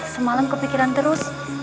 semalam kepikiran terus